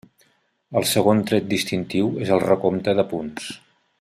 El segon tret distintiu és el recompte de punts.